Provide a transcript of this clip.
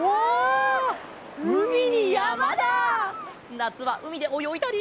なつはうみでおよいだり。